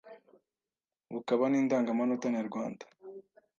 bukaba n’Indangamanota nyarwanda